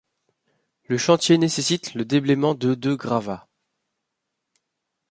Le chantier nécessite le déblaiement de de gravats.